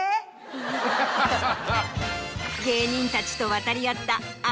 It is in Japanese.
芸人たちと渡り合った。